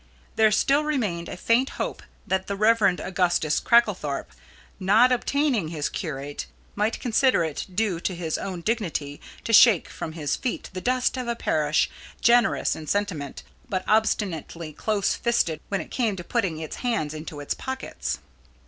There still remained a faint hope that the Rev. Augustus Cracklethorpe, not obtaining his curate, might consider it due to his own dignity to shake from his feet the dust of a parish generous in sentiment, but obstinately close fisted when it came to putting its hands into its pockets.